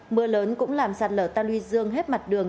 mưa lớn cũng làm sạt lở ta luy dương hết mặt đường